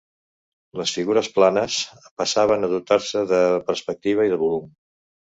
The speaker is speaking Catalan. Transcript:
Les figures planes passaven a dotar-se de perspectiva i de volum.